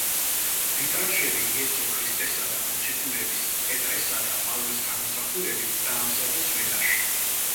ვიტრაჟები იესო ქრისტესა და მოციქულების პეტრესა და პავლეს გამოსახულებით დაამზადეს ვენაში.